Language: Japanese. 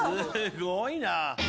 すごいな。